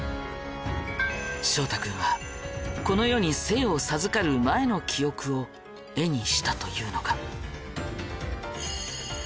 翔太君はこの世に生を授かる前の記憶を絵にしたというのか。